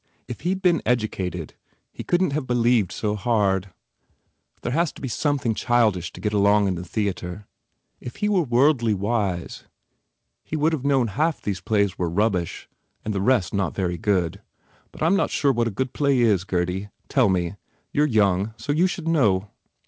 ... If he d been educated, he couldn t have believed so hard. ... There has to be some thing childish to get along in the theatre. ... If he were worldly wise he d have known half 119 THE FAIR REWARDS these plays were rubbish and the rest not very good. ... But I m not sure what a good play is, Gurdy. Tell me. You re young, so you should know."